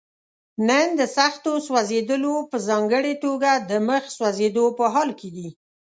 نن د سختو سوځېدلو په ځانګړي توګه د مخ سوځېدو په حال کې دي.